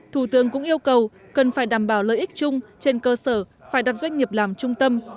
thủ tướng cũng yêu cầu cần phải đảm bảo lợi ích chung trên cơ sở phải đặt doanh nghiệp làm trung tâm